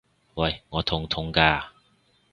喂！我痛痛㗎！